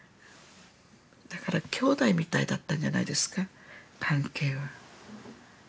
だから兄弟みたいだったんじゃないですか関係は。